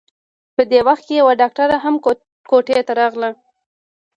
په دې وخت کې يوه ډاکټره هم کوټې ته راغله.